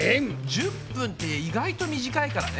１０分って意外と短いからね。